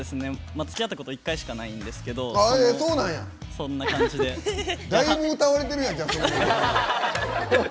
つきあったこと１回しかないんですけどだいぶ歌われてるやん。